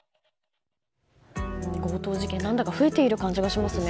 強盗事件、何だか増えている気がしますね。